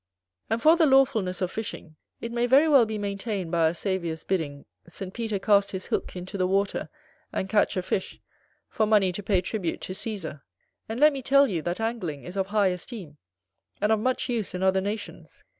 And for the lawfulness of fishing: it may very well be maintained by our Saviour's bidding St. Peter cast his hook into the water and catch a fish, for money to pay tribute to Caesar. And let me tell you, that Angling is of high esteem, and of much use in other nations.